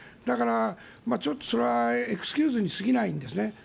だから、ちょっとそれはエクスキューズに過ぎないんですね。